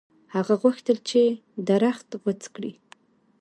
هغه غوښتل چې درخت غوڅ کړي.